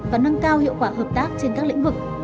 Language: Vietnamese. và nâng cao hiệu quả hợp tác trên các lĩnh vực